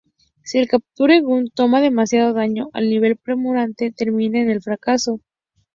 Si el Capture Gun toma demasiado daño, el nivel prematuramente termina en el fracaso.